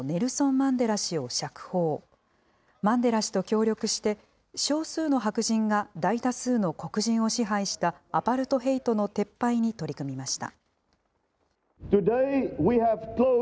マンデラ氏と協力して、少数の白人が大多数の黒人を支配したアパルトヘイトの撤廃に取り組みました。